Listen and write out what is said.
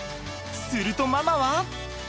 するとママは。